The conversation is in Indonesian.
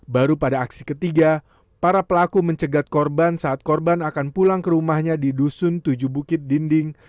baru pada aksi ketiga para pelaku mencegat korban saat korban akan pulang ke rumahnya di dusun tujuh bukit dinding